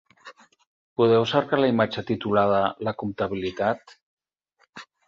Podeu cercar la imatge titulada "La comptabilitat"?